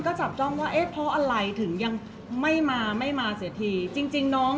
เพราะว่าสิ่งเหล่านี้มันเป็นสิ่งที่ไม่มีพยาน